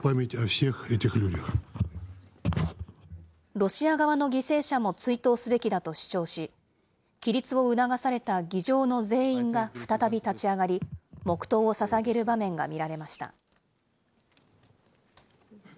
ロシア側の犠牲者も追悼すべきだと主張し、起立を促された議場の全員が再び立ち上がり、黙とうをささげる場面が見られました。